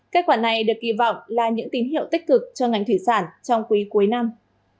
kết quả này được kỳ vọng là những tín hiệu tích cực cho ngành thủy sản trong quý cuối năm